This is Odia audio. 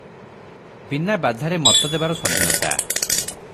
ବିନା ବାଧାରେ ମତ ଦେବାର ସ୍ୱାଧୀନତା ।